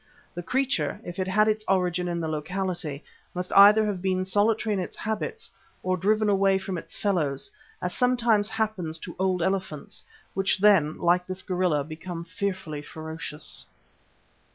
The creature, if it had its origin in the locality, must either have been solitary in its habits or driven away from its fellows, as sometimes happens to old elephants, which then, like this gorilla, become fearfully ferocious.